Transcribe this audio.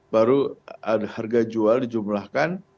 baru harga jual dijumlahkan